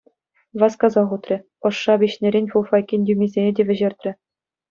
Васкасах утрӗ, ӑшша пиҫнӗрен фуфайкин тӳмисене те вӗҫертрӗ.